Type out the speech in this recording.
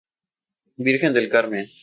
Virgen del Carmen.